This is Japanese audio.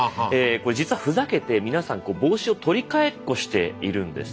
実はふざけて皆さん帽子を取り替えっこしているんです。